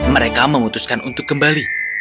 mereka memutuskan untuk kembali